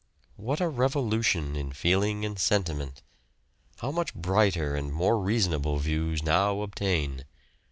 What a revolution in feeling and sentiment! How much brighter and more reasonable views now obtain!